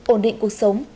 ổn định cuộc sống